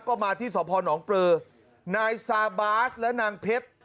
ก็มาที่สะพอนหนองเปลือนายสาบาสและนางเพชร